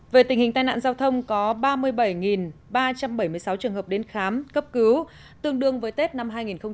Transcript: về tình hình tai nạn giao thông có ba mươi bảy ba trăm bảy mươi sáu trường hợp đến khám cấp cứu tương đương với tết năm hai nghìn hai mươi